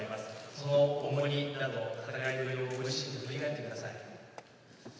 その重荷など、ご自身で振り返ってください。